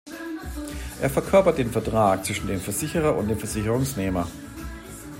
Er verkörpert den Vertrag zwischen dem Versicherer und dem Versicherungsnehmer.